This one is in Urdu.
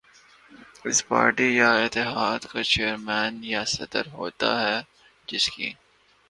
اس پارٹی یا اتحاد کا چیئرمین یا صدر ہوتا ہے جس کی